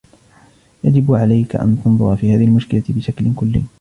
يجب عليك أن تنظر في هذه المشكلة بشكلٍ كلي.